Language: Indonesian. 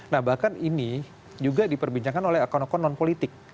nah bahkan ini juga diperbincangkan oleh akun akun non politik